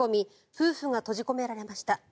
夫婦が閉じ込められました。